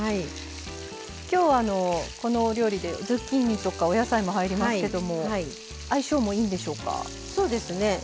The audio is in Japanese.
きょう、このお料理でズッキーニとかお野菜も入りますけれども相性もいいんでしょうか？